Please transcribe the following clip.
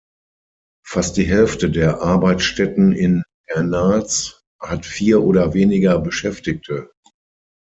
Fast die Hälfte der Arbeitsstätten in Hernals hat vier oder weniger Beschäftigte.